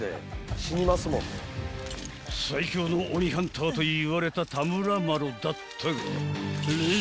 ［最強の鬼ハンターといわれた田村麻呂だったが］